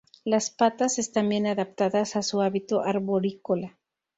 Las patas están bien adaptadas a su hábito arborícola.